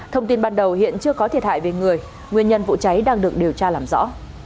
thông tin ban đầu hiện chưa có thiệt hại về người nguyên nhân vụ cháy đang được điều tra làm rõ